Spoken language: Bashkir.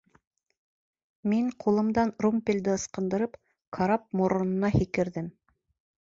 Мин, ҡулымдан румпелде ысҡындырып, карап моронона һикерҙем.